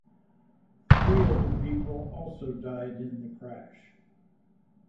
Three other people also died in the crash.